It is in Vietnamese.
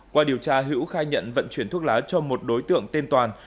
qua điều tra hữu khai nhận vận chuyển thuốc lá cho một đối tượng tên toàn